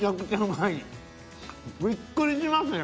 びっくりしますね